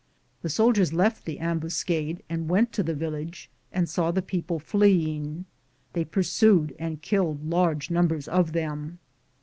The soldiers left the ambuscade and went to the village and saw the people fleeing. They pursued and killed large numbers of them.